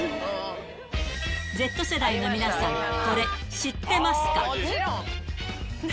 Ｚ世代の皆さん、これ、知ってま何